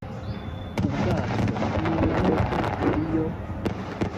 ubwato n imodoka iyo